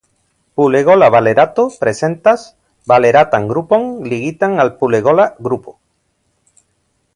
Pulegola valerato prezentas valeratan grupon ligitan al pulegola grupo.